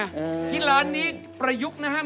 อืมที่ร้านนี้ประยุกต์นะครับ